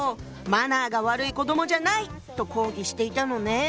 「マナーが悪い子どもじゃない！」と抗議していたのね。